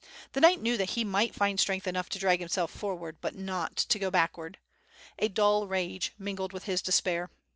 The knight knew that he might find strength enough to drag himself forward, but not to go backward. A dull rage mingled with his despair.